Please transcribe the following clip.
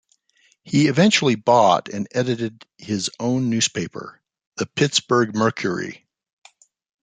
He eventually bought and edited his own newspaper, the "Pittsburgh Mercury".